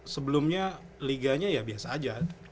sebelumnya liganya ya biasa aja